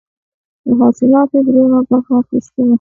د حاصلاتو دریمه برخه اخیستله.